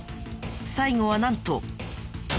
最後はなんと。